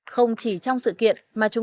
không chỉ trong sự kiện